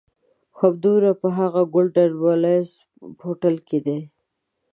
همدومره په هغه "ګولډن والز" هوټل کې دي.